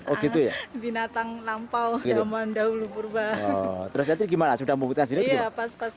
oh gitu ya binatang lampau zaman dahulu purba terus itu gimana sudah membutuhkan dia pas pas